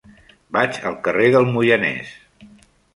Vaig al carrer del Moianès.